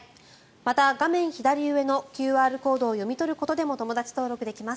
また、画面左上のＱＲコードを読み取ることでも友だち登録できます。